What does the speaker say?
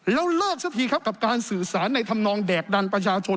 แล้วเลิกสักทีครับกับการสื่อสารในธรรมนองแดกดันประชาชน